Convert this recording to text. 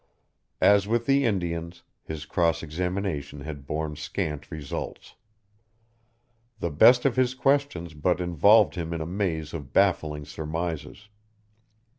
As with the Indians, his cross examination had borne scant results. The best of his questions but involved him in a maze of baffling surmises.